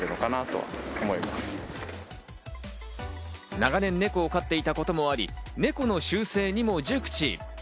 長年、ネコを飼っていたこともあり、ネコの習性も熟知。